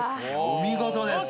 お見事です